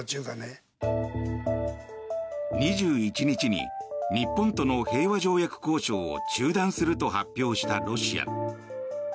２１日に日本との平和条約交渉を中断すると発表したロシア。